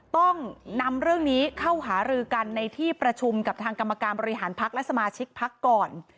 ต้องนำเรื่องนี้เข้าหารือกันในที่ประชุมกับทางกรรมการบริหารพักและสมาชิกพักก่อน